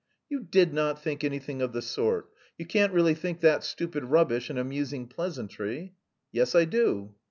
"You did not think anything of the sort. You can't really think that stupid rubbish an amusing pleasantry?" "Yes, I do."